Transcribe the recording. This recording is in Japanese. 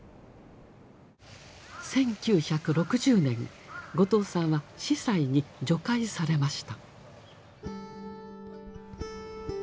１９６０年後藤さんは司祭に叙階されました。